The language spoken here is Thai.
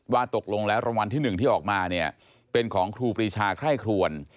ว่าตกลงแล้วรางวัลที่๑ที่ออกมาเนี่ยเป็นของครูปรีชาไคร่ครวน